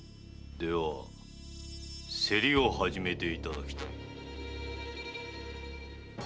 では競りを始めていただきたい。